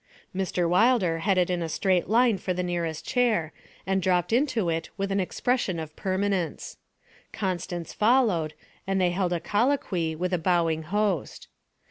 Mr. Wilder headed in a straight line for the nearest chair and dropped into it with an expression of permanence. Constance followed, and they held a colloquy with a bowing host.